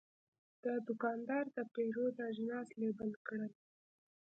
دا دوکاندار د پیرود اجناس لیبل کړل.